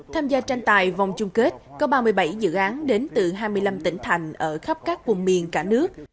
tham gia tranh tài vòng chung kết có ba mươi bảy dự án đến từ hai mươi năm tỉnh thành ở khắp các vùng miền cả nước